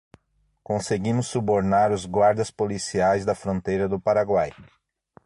Conseguimos subornar os guardas e policiais da fronteira do Paraguai